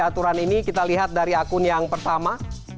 aturan ini kita lihat dari akun yang pertama